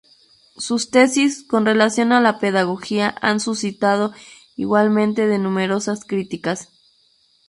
Sus tesis con relación a la pedagogía han suscitado igualmente de numerosas críticas.